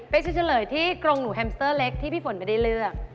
เป็นจะเฉลยที่กรงหนูแฮมสเตอร์เล็กที่พี่ฝนไม่ได้เลือก